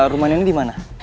rumah nenek dimana